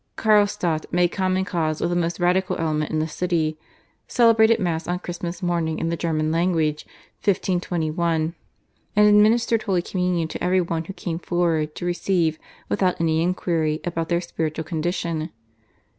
Carlstadt made common cause with the most radical element in the city, celebrated Mass on Christmas morning in the German language (1521), and administered Holy Communion to every one who came forward to receive, without any inquiry about their spiritual condition.